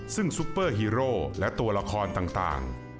ซึ่งซุปเปอร์ฮีโร่และตัวละครต่าง